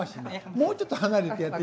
もうちょっと離れてやって。